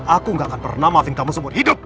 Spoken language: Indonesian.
aku gak akan pernah malving kamu seumur hidup